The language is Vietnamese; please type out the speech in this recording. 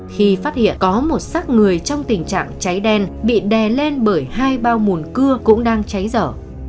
khi phát hiện có một sát người trong tình trạng cháy đen bị đè lên bởi hai bao mùn cưa cũng đang cháy dở